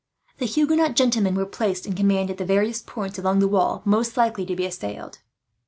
The Huguenot gentlemen were placed in command, at the various points along the wall most likely to be assailed.